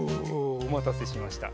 おまたせしました。